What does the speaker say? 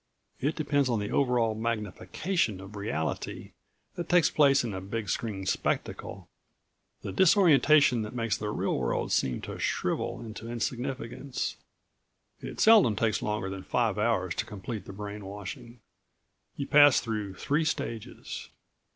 It depends on the over all magnification of reality that takes place in a big screen spectacle, the disorientation that makes the real world seem to shrivel into insignificance. It seldom takes longer than five hours to complete the brain washing. You pass through three stages.